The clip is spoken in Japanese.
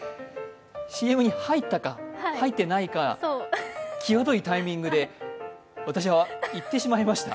ＣＭに入ったか入ってないか、きわどいタイミングで私、言ってしまいました。